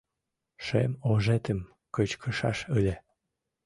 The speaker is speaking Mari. Шем ожетым кычкышаш ыле;